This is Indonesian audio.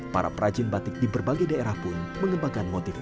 para prajin batik di berbagai daerah pun mengembangkan motifnya